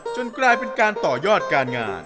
กลายเป็นการต่อยอดการงาน